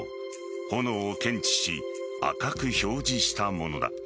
炎を検知し、赤く表示したものだ。